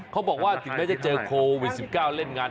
เขาบอกว่าจริงจะเจอโควิด๑๙แล้วเล่นงาน